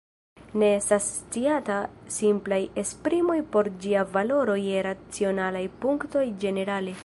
Ne estas sciataj simplaj esprimoj por ĝia valoro je racionalaj punktoj ĝenerale.